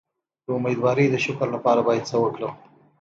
د امیدوارۍ د شکر لپاره باید څه وکړم؟